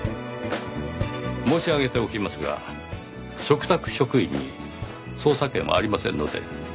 申し上げておきますが嘱託職員に捜査権はありませんので。